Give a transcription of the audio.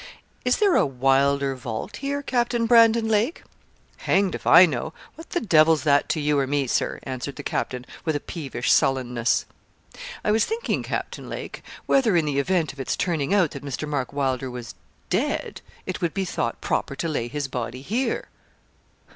'Is there a Wylder vault here, Captain Brandon Lake?' 'Hanged if I know! what the devil's that to you or me, Sir?' answered the captain, with a peevish sullenness. 'I was thinking, Captain Lake, whether in the event of its turning out that Mr. Mark Wylder was dead, it would be thought proper to lay his body here?'